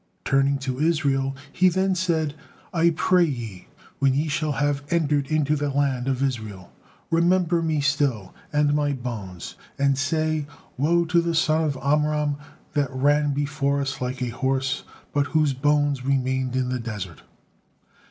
Turning to Israel, he then said, "I pray ye, when ye shall have entered into the land of Israel, remember me still, and my bones, and say, 'Woe to the son of Amram that ran before us like a horse, but whose bones remained in the desert.'"